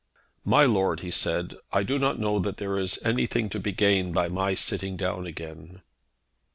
"My lord," he said, "I do not know that there is anything to be gained by my sitting down again."